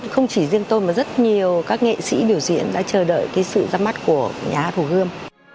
không chỉ riêng tôi mà rất nhiều các nghệ sĩ biểu diễn đã chờ đợi cái sự ra mắt của nhà hát hồ gươm